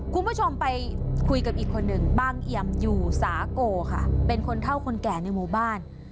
คุณผู้ชมไปคุยกับอีกคนหนึ่งบางเอียมอยู่สาโกค่ะเป็นคนเท่าคนแก่ในหมู่บ้าน